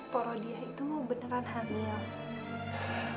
porodya itu beneran hamil